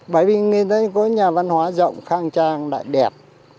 bởi vì người ta có nhà văn hóa rộng khang trang lại đẹp